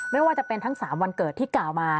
ไม่ว่าจะเป็นทั้ง๓วันเกิดที่กล่าวมา